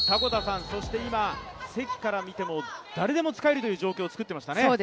今、関から見ても、誰でも使えるという状況を作っていましたね。